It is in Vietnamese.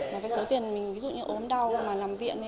và cái số tiền mình ví dụ như ốm đau mà làm viện